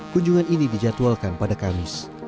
kunjungan ini dijadwalkan pada kamis